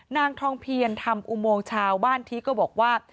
นางทองเพียรธรรมอุโมงชาวบ้านที่ก็บอกว่า